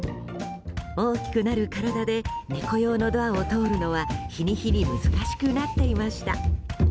大きくなる体で猫用のドアを通るのは日に日に難しくなっていました。